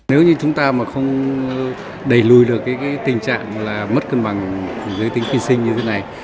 nếu như chúng ta mà không đẩy lùi được cái tình trạng là mất cân bằng giới tính khi sinh như thế này